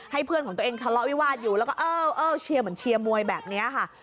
เพื่อนของตัวเองทะเลาะวิวาสอยู่แล้วก็เออเชียร์เหมือนเชียร์มวยแบบนี้ค่ะ